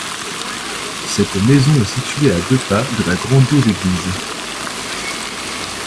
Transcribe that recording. Cette maison est située à deux pas de la grandiose église.